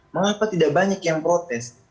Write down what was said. mengapa tidak banyak yang protes